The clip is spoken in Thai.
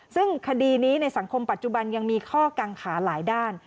ซึ่งคดีนี้ในสังคมปัจจุบันยังมีข้อกังขาหลายด้าน